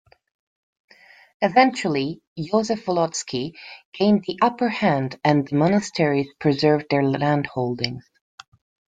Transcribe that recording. Eventually, Joseph Volotsky gained the upper hand and the monasteries preserved their landholdings.